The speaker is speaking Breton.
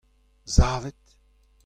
Savit.